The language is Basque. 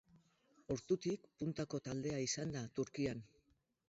Ordutik puntako taldea izan da Turkian.